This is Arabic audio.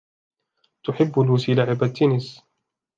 تحب لوسي لعب التنس.